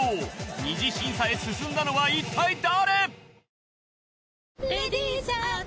二次審査へ進んだのはいったい誰！？